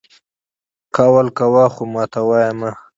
قول کوه خو ماتوه یې مه!